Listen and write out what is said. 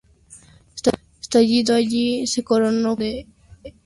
Estando allí se coronó campeón de la Liga Nacional de Honduras, frente a Sociedad.